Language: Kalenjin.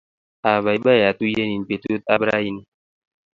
abaibai atuyenen petutap raini